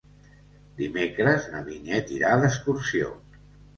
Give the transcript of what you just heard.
Dimecres na Vinyet irà d'excursió.